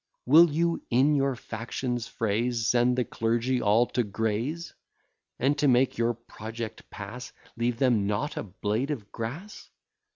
Will you, in your faction's phrase, Send the clergy all to graze; And to make your project pass, Leave them not a blade of grass?